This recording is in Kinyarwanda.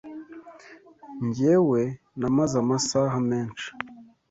Njyewe namaze amasaha menshi.